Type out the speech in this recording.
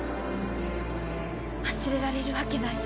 忘れられるわけない。